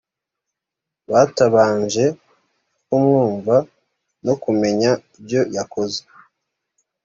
batabanje kumwumva no kumenya ibyo yakoze